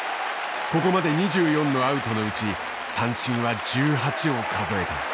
ここまで２４のアウトのうち三振は１８を数えた。